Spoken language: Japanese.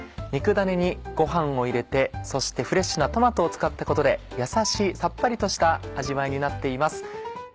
肉ダネにごはんを入れてそしてフレッシュなトマトを使ったことでやさしいさっぱりとした味わいになっています。